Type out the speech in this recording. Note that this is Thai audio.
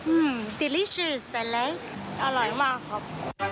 อื้อดิลิเชียสแต่เลยอร่อยมากครับ